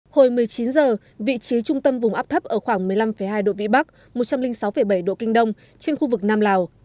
hồi một mươi chín h vị trí trung tâm vùng áp thấp ở khoảng một mươi năm hai độ vĩ bắc một trăm linh sáu bảy độ kinh đông trên khu vực nam lào